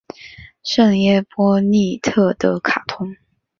圣伊波利特德卡通。